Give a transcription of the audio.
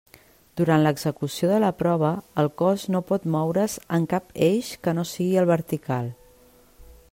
Durant l'execució de la prova, el cos no pot moure's en cap eix que no sigui el vertical.